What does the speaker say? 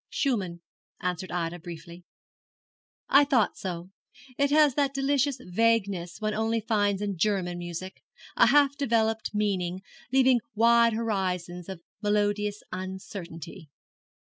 'Schumann,' answered Ida, briefly. 'I thought so. It has that delicious vagueness one only finds in German music a half developed meaning leaving wide horizons of melodious uncertainty.'